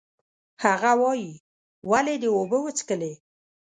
هغه وایي، ولې دې اوبه وڅښلې؟